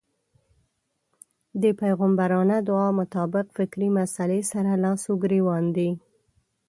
دې پيغمبرانه دعا مطابق فکري مسئلې سره لاس و ګرېوان دی.